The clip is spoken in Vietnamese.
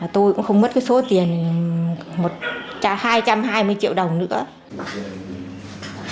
tôi cũng không mất cái số tiền hai trăm hai mươi triệu đồng nữa